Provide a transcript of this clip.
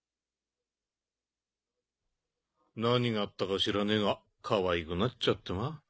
何があったか知らねえがかわいくなっちゃってまあ。